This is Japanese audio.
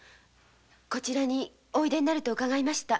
こちらにおいでになると伺いました。